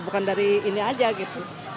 bukan dari ini aja gitu